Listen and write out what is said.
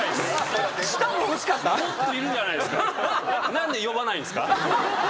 何で呼ばないんですか？